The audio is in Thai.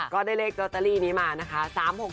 ก็ได้เลขลอตเตอรี่นี้มานะคะ